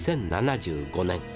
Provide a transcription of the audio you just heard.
２０７５年。